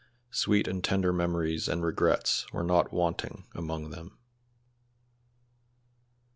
Sweet and tender memories and regrets were not wanting among them.